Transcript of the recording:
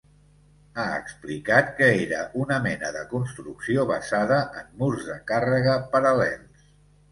Ha explicat que era una mena de construcció basada en murs de càrrega paral·lels.